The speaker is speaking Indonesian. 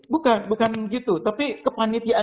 bukan bukan gitu tapi kepanitiaan